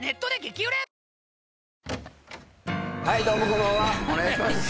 こんばんはお願いします。